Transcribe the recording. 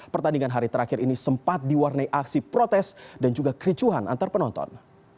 pertandingan hari terakhir ini sempat diwarnai aksi protes dan juga kericuhan antar penonton